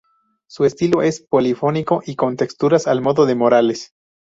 Su estilo es polifónico y con texturas al modo de Morales.